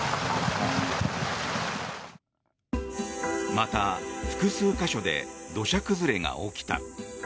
また、複数箇所で土砂崩れが起きた。